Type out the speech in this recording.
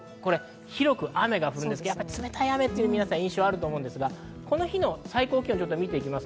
広く雨が降るんですが、冷たい雨という印象あるんですが、この日の最高気温を見ます。